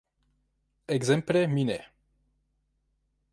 Ekzemple mi ne.